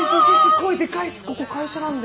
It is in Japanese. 声でかいっすここ会社なんで。